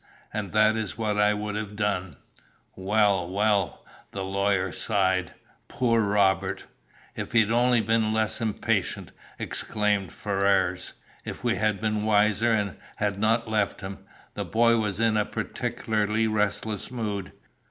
And that is what I would have done." "Well, well!" The lawyer sighed. "Poor Robert." "If he only had been less impatient!" exclaimed Ferrars. "If we had been wiser, and had not left him! The boy was in a peculiarly restless mood.